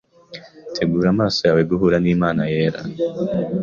Tegura amaso yawe guhura nImana yera